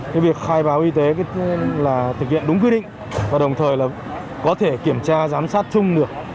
cái việc khai báo y tế là thực hiện đúng quy định và đồng thời là có thể kiểm tra giám sát chung được